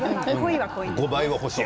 ５倍は欲しい。